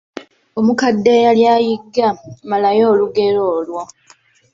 Omukadde eyali ayigga, malayo olugero olwo.